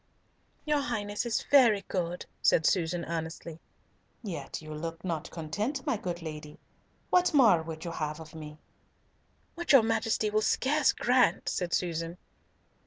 "Your Highness is very good," said Susan earnestly. "Yet you look not yet content, my good lady. What more would you have of me?" "What your Majesty will scarce grant," said Susan.